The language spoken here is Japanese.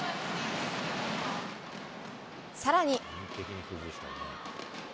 さらに。